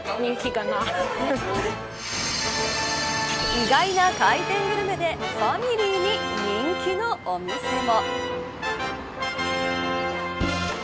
意外な回転グルメでファミリーに人気のお店も。